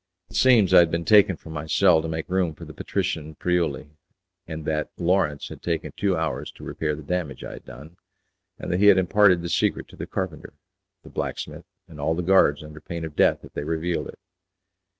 It seems I had been taken from my cell to make room for the patrician Priuli, and that Lawrence had taken two hours to repair the damage I had done, and that he had imparted the secret to the carpenter, the blacksmith, and all the guards under pain of death if they revealed it.